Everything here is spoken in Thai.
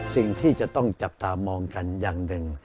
สิ่งที่จะต้องจับตามองกันอย่างหนึ่ง